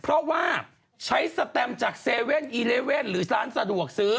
เพราะว่าใช้สแตมจาก๗๑๑หรือร้านสะดวกซื้อ